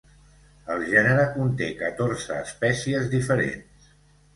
El gènere conté catorze espècies diferents.